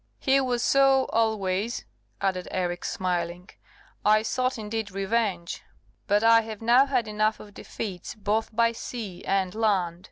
"He was so always," added Eric, smiling; "I sought, indeed, revenge; but I have now had enough of defeats both by sea and land.